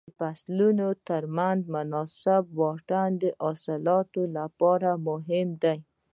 د فصلونو تر منځ مناسب واټن د حاصلاتو لپاره مهم دی.